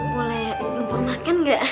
boleh lupa makan gak